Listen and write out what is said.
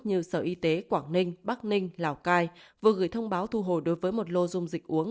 như sở y tế quảng ninh bắc ninh lào cai vừa gửi thông báo thu hồi đối với một lô dung dịch uống